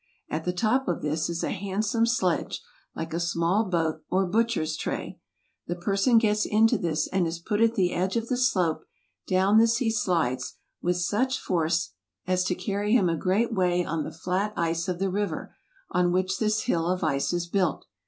At the top of this is a handsome sledge, like a small boat, or butcher's tray. The person gets into this, and is put at the edge of the slope; down this he slides, with such force as to carry Rils sin .3 99 RUSSIA. 31 him a great way on the flat ice of the river, on which this hill of ice is built.